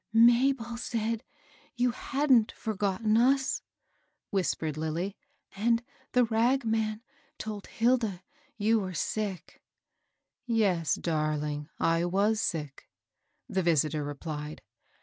" Mabel said you hadn't forgotten us," whispered Lilly, ^^and the ragman told Hilda you were sick." "Yes, darling, I was sick," the visitor replied.